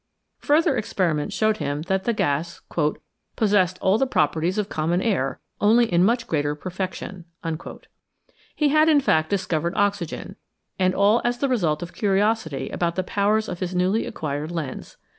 Further experi ments showed him that the gas " possessed all the pro perties of common air, only in much greater perfection." He had, in fact, discovered oxygen, and all as the result of curiosity about the powers of his newly acquired lens.